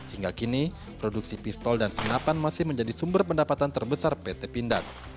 hingga kini produksi pistol dan senapan masih menjadi sumber pendapatan terbesar pt pindad